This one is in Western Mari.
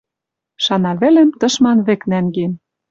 Шанавӹлӹм тышман вӹк нӓнген.